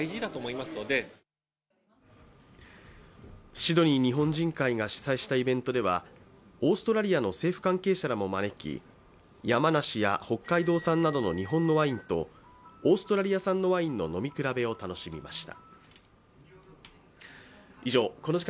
シドニー日本人会が主催したイベントでは、オーストラリアの政府関係者らも招き山梨や北海道産などの日本のワインとオーストラリア産のワインの飲み比べを楽しみました。